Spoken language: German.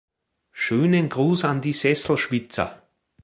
Schönen Gruß an die Sesselschwitzer.